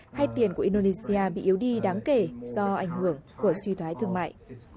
hay tiền của indonesia bị yếu đi đáng kể do ảnh hưởng của suy thoái thương mại